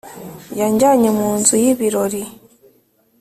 Yanjyanye mu nzu y’ibirori,